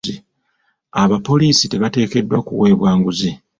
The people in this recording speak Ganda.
Abapoliisi tebateekeddwa kuweebwa nguzi .